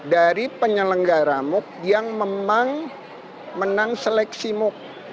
dari penyelenggara muk yang memang menang seleksi muk